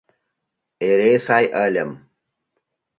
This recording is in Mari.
Эре сай ыльым.